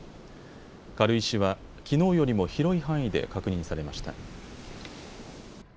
軽石は、きのうよりも広い範囲で確認されました。